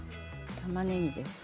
たまねぎです。